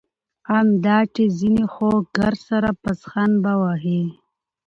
آن دا چي ځيني خو ګرسره پسخند په وهي.